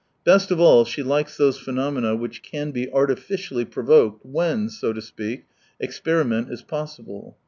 Best of all she likes those phenomena which can be artificially provoked, when, so to speak, experiment is possible.